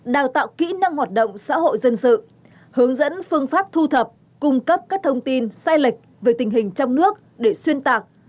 đào tạo kỹ năng hoạt động xã hội dân sự hướng dẫn phương pháp thu thập cung cấp các thông tin sai lệch về tình hình trong nước để xuyên tạc